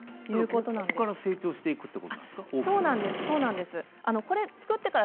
ここから成長していくということなんですか？